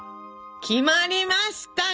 決まりましたね